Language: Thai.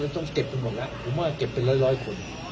ต้องเก็บกันหมดแล้วผมว่าเก็บเป็นร้อยคน